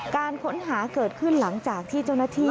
การค้นหาเกิดขึ้นหลังจากที่เจ้าหน้าที่